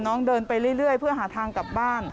น้องเดินไปเรื่อยเพื่อหาทางกลับบ้าน